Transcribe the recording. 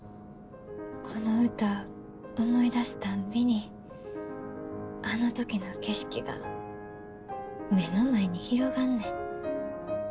この歌、思い出すたんびにあの時の景色が目の前に広がんねん。